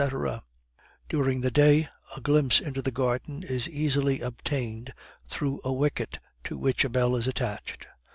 _" During the day a glimpse into the garden is easily obtained through a wicket to which a bell is attached.